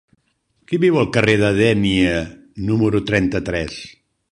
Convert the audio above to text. Qui viu al carrer de Dénia número trenta-tres?